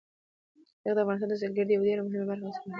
تاریخ د افغانستان د سیلګرۍ یوه ډېره مهمه او اساسي برخه ګڼل کېږي.